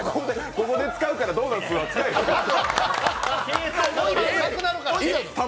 ここで使うから、ドーナツでは使えなかった。